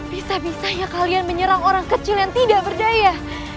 bisa bisanya kalian menyerang orang kecil yang tidak berdaya